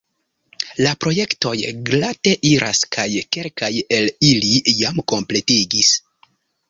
La projektoj glate iras kaj kelkaj el ili jam kompletiĝis.